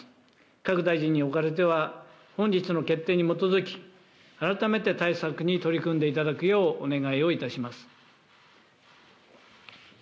各大臣におかれては、本日の決定に基づき、改めて対策に取り組んでいただくようお願いをいたします。